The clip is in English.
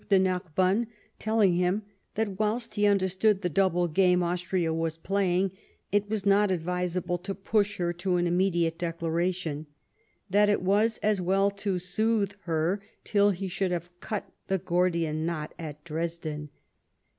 de Narbonue telling him that whilst he understood the double game Austria was playing, it was not advisable to push her to an immediate declaration; that it was as well to soothe her till he should have cut the Gordian knot at Dresden.